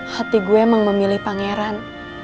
hati gue emang memilih pangeran